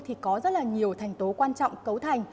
thì có rất là nhiều thành tố quan trọng cấu thành